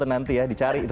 nanti ya dicari itu